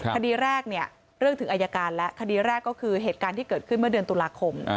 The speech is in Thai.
คดีแรกเนี่ยเรื่องถึงอายการและคดีแรกก็คือเหตุการณ์ที่เกิดขึ้นเมื่อเดือนตุลาคม